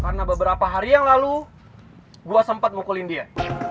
karena beberapa hari yang lalu gue sempat ngukulin dia